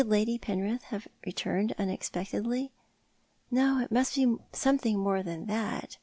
Could Lady Penrith have returned unexpectedly ? No, it must be something more than that.